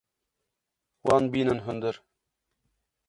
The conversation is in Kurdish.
Wan bînin hundir.